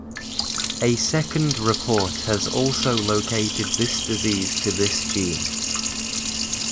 A second report has also located this disease to this gene.